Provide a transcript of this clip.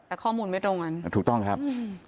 แต่ข้อมูลไม่ตรงกันถูกต้องครับ